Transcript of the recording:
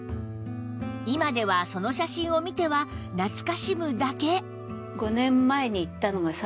今ではその写真を見ては懐かしむだけ